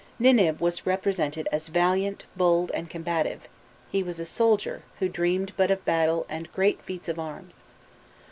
Ninib was represented as valiant, bold, and combative; he was a soldier who dreamed but of battle and great feats of arms.